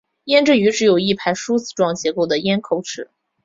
胭脂鱼只有一排梳子状结构的咽头齿。